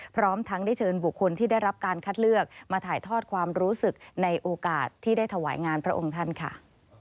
พร้อมทั้งได้เชิญบุคคลที่ได้รับการคัดเลือกมาถ่ายทอดความรู้สึกในโอกาสที่ได้ถวายงานพระองค์ท่านค่ะ